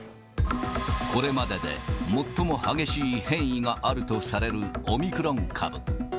これまでで最も激しい変異があるとされるオミクロン株。